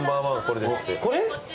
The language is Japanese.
これ？